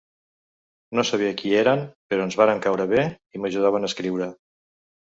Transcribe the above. No sabia qui eren, però ens vàrem caure bé i m’ajudaven a escriure.